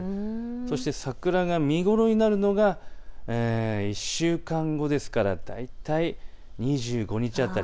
そして桜が見頃になるのが１週間後、大体２５日辺り。